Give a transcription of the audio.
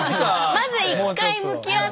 まず１回向き合っての。